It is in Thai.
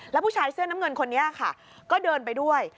แล้วผู้ชายเสื้อน้ำเงินคนนี้ค่ะก็เดินไปด้วย